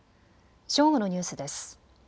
正午のニュースです。